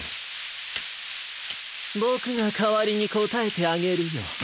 ボクがかわりにこたえてあげるよ。